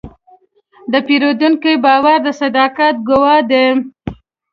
د پیرودونکي باور د صداقت ګواه دی.